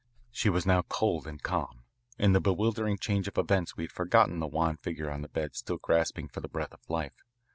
She was now cold and calm. In the bewildering change of events we had forgotten the wan figure on the bed still gasping for the breath of life.